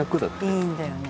いいんだよね。